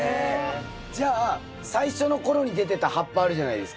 じゃあ最初の頃に出てた葉っぱあるじゃないですか。